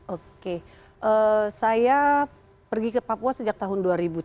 oke saya pergi ke papua sejak tahun dua ribu tujuh belas